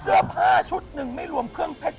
เสื้อผ้าชุดหนึ่งไม่รวมเครื่องเพชร